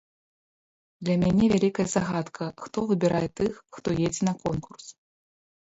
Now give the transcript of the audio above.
Для мяне вялікая загадка, хто выбірае тых, хто едзе на конкурс.